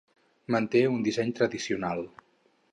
Manté un disseny tradicional.